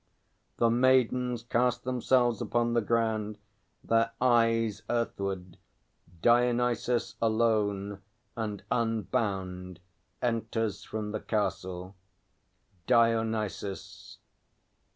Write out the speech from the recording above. [The Maidens cast themselves upon the ground, their eyes earthward. DIONYSUS, alone and unbound, enters from the Castle. DIONYSUS.